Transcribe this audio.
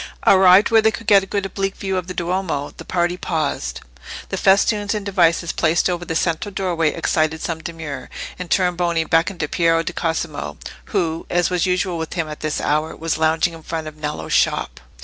Arrived where they could get a good oblique view of the Duomo, the party paused. The festoons and devices placed over the central doorway excited some demur, and Tornabuoni beckoned to Piero di Cosimo, who, as was usual with him at this hour, was lounging in front of Nello's shop.